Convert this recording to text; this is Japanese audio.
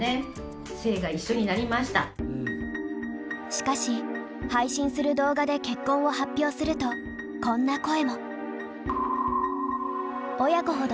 しかし配信する動画で結婚を発表するとこんな声も。